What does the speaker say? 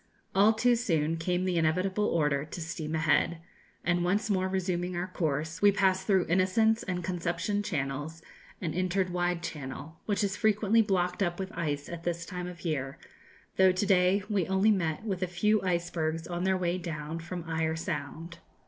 All too soon came the inevitable order to steam ahead; and once more resuming our course, we passed through Innocents and Conception Channels, and entered Wide Channel, which is frequently blocked up with ice at this time of year, though to day we only met with a few icebergs on their way down from Eyre Sound.